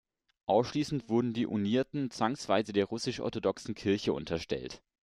Anschließend wurden die Unierten zwangsweise der russisch-orthodoxen Kirche unterstellt.